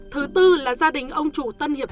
thứ tư là gia đình ông chủ tân hiệp